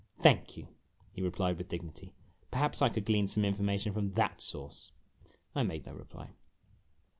"Thank you," he replied, with dignity; "perhaps I could glean some information from that source." I made no reply.